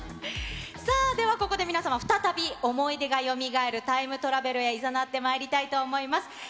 さあ、ではここで皆様再び思い出がよみがえるタイムトラベルへいざなってまいりたいと思います。